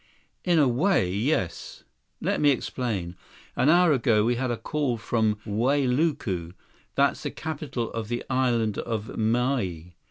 "In a way, yes. Let me explain. An hour ago, we had a call from Wailuku, that's the capital of the Island of Maui.